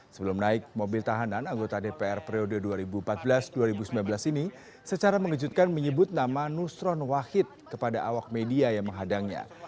sebelum naik mobil tahanan anggota dpr periode dua ribu empat belas dua ribu sembilan belas ini secara mengejutkan menyebut nama nustron wahid kepada awak media yang menghadangnya